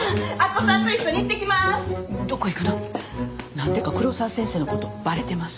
何でか黒沢先生のことバレてます。